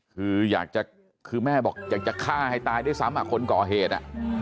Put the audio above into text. คือแม่บอกอยากจะฆ่าให้ตายด้วยซ้ำคนก่อเหตุ